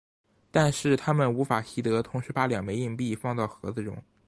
但是它们无法习得同时把两枚硬币放到盒子中。